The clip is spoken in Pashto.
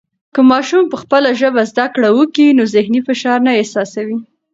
که ماشوم په خپله ژبه زده کړه و کي نو ذهني فشار نه احساسوي.